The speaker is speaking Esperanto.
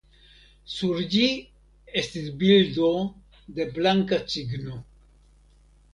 Sur ĝi estis bildo de blanka cigno.